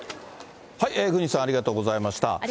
郡司さん、ありがとうございました。